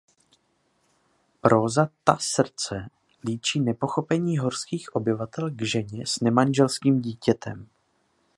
Próza "Ta srdce" líčí nepochopení horských obyvatel k ženě s nemanželským dítětem.